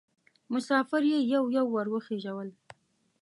مسافر یې یو یو ور وخېژول.